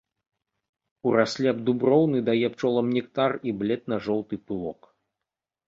Кураслеп дуброўны дае пчолам нектар і бледна-жоўты пылок.